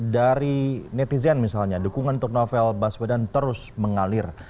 dari netizen misalnya dukungan untuk novel baswedan terus mengalir